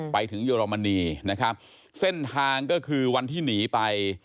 เยอรมนีนะครับเส้นทางก็คือวันที่หนีไป